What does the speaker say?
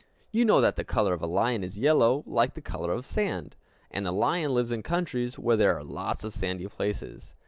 You know that the color of a lion is yellow, like the color of sand; and the lion lives in countries where there are lots of sandy places.